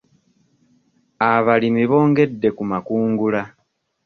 Abalimi bongedde ku makungula.